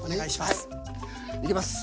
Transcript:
いきます。